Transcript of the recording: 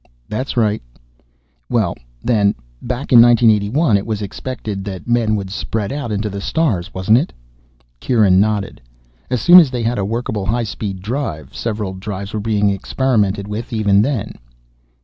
"That's right." "Well, then. Back in 1981, it was expected that men would spread out to the stars, wasn't it?" Kieran nodded. "As soon as they had a workable high speed drive. Several drives were being experimented with even then."